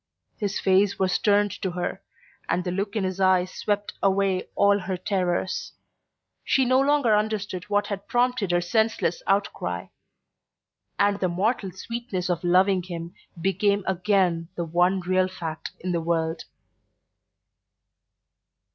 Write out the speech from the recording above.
His face was turned to her and the look in his eyes swept away all her terrors. She no longer understood what had prompted her senseless outcry; and the mortal sweetness of loving him became again the one real fact in the world.